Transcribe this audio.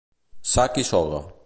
Sac i soga.